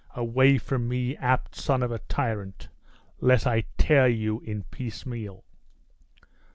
Away from me, apt son of a tyrant, lest I tear you in piecemeal!"